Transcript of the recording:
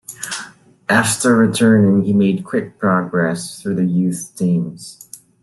After returning, he made quick progress through the youth teams.